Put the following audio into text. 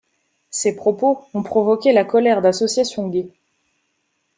Ces propos ont provoqué la colère d'associations gay.